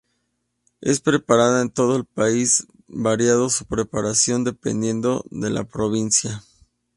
Es preparada en todo el país, variando su preparación dependiendo de la provincia.